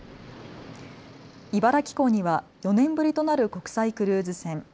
茨城港には４年ぶりとなる国際クルーズ船。